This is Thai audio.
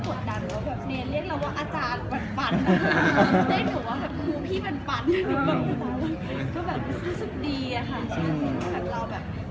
ก็แบบรู้สึกดีค่ะเราแบบทำได้ด้วยครู